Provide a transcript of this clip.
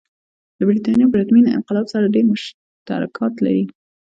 د برېټانیا پرتمین انقلاب سره ډېر مشترکات لري.